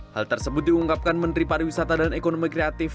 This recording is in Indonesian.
hal tersebut diungkapkan menteri pariwisata dan ekonomi kreatif